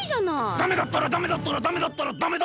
ダメだったらダメだったらダメだったらダメだ。